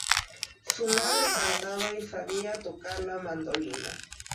Su madre cantaba y sabia tocar la mandolina.